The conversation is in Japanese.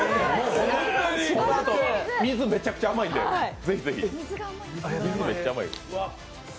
このあと水、めちゃくちゃ甘いんで、是非。